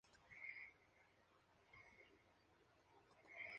Actualmente, Salinero está retirado.